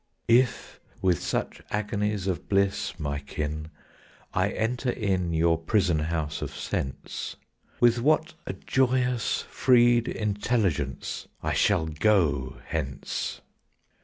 "If with such agonies of bliss, my kin, I enter in Your prison house of sense, With what a joyous freed intelligence I shall go hence."